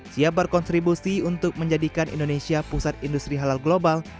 siap berkontribusi untuk menjadikan indonesia pusat industri halal global